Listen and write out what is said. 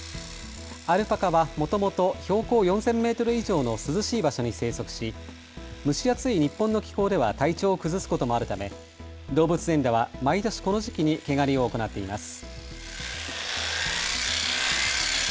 アルパカはもともと標高４０００メートル以上の涼しい場所に生息し蒸し暑い日本の気候では体調を崩すこともあるため動物園では毎年この時期に毛刈りを行っています。